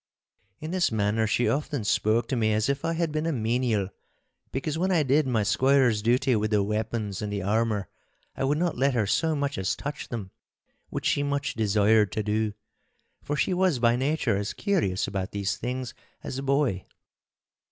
In this manner she often spoke to me as if I had been a menial, because when I did my squire's duty with the weapons and the armour, I would not let her so much as touch them, which she much desired to do, for she was by nature as curious about these things as a boy.